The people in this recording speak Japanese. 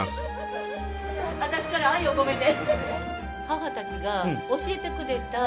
私から愛を込めて。